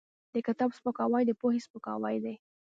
د کتاب سپکاوی د پوهې سپکاوی دی.